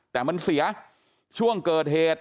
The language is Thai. แต่มันเสียช่วงเกิดเหตุ